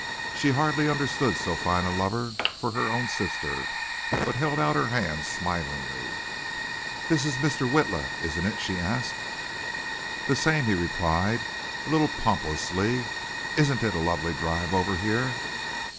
She hardly understood so fine a lover for her own sister, but held out her hand smilingly. "This is Mr. Witla, isn't it?" she asked. "The same," he replied, a little pompously. "Isn't it a lovely drive over here?"